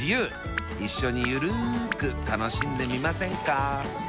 一緒にゆるく楽しんでみませんか？